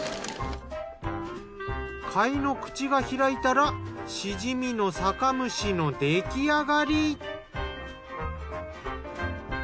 貝の口が開いたらシジミの酒蒸しの出来上がり。